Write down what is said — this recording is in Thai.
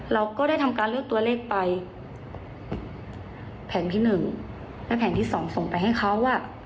เราก็ได้ทำการเลือกตัวเลขไปแผ่นที่๑และแผ่นที่๒ส่งไปให้เขาว่า